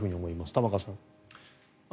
玉川さん。